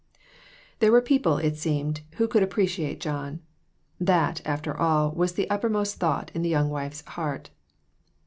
There were people, it seemed, who could appreciate John. That, after all, was the upper most thought in the young wife's heart.